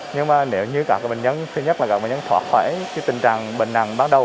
nhưng mà nếu như các bệnh nhân thứ nhất là các bệnh nhân thoát khỏi tình trạng bệnh nặng ban đầu